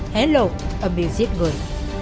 hello a music người